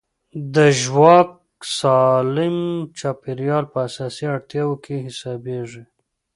د ژواک سالم چاپېریال په اساسي اړتیاوو کې حسابېږي.